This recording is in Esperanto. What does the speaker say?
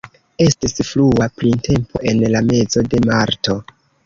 Estis frua printempo en la mezo de marto.